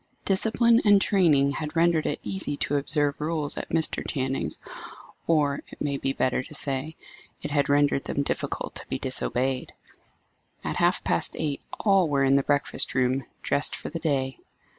Discipline and training had rendered it easy to observe rules at Mr. Channing's; or, it may be better to say, it had rendered them difficult to be disobeyed. At half past eight all were in the breakfast room, dressed for the day.